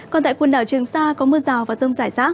còn tại quần đảo trường sa có mưa rào và rông rải rác